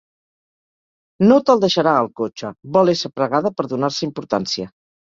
No te'l deixarà, el cotxe; vol ésser pregada per donar-se importància.